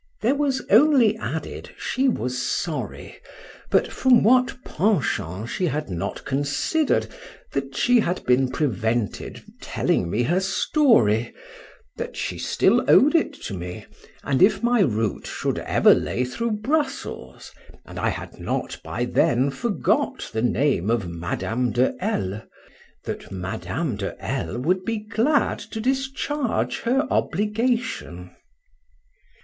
There was only added, she was sorry, but from what penchant she had not considered, that she had been prevented telling me her story,—that she still owed it to me; and if my route should ever lay through Brussels, and I had not by then forgot the name of Madame de L—,—that Madame de L— would be glad to discharge her obligation.